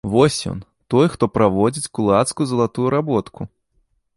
Вось ён, той, хто праводзіць кулацкую залатую работку!